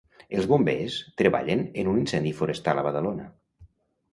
Els Bombers treballen en un incendi forestal a Badalona.